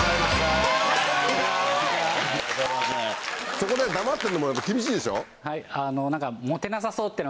そこで黙っててもらうの厳しいでしょ？